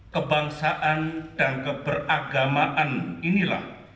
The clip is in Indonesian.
kebangsaan dan keberagamaan inilah